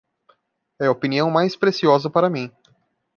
É a opinião mais preciosa para mim.